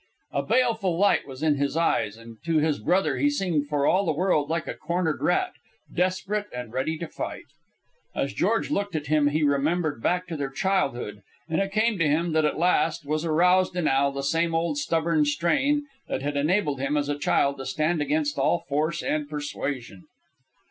A baleful light was in his eyes, and to his brother he seemed for all the world like a cornered rat, desperate and ready to fight. As George looked at him he remembered back to their childhood, and it came to him that at last was aroused in Al the same old stubborn strain that had enabled him, as a child, to stand against all force and persuasion.